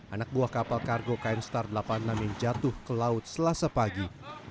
anak buah kapal kargo km star delapan puluh enam yang jatuh ke laut selasa pagi